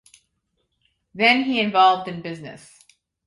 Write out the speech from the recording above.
Then he involved in business.